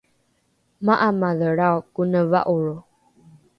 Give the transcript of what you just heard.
ma’amadhelrao kone va’oro